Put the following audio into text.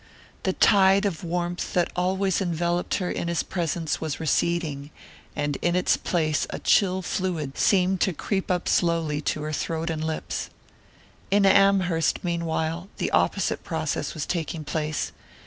The tide of warmth that always enveloped her in his presence was receding, and in its place a chill fluid seemed to creep up slowly to her throat and lips. In Amherst, meanwhile, the opposite process was taking place.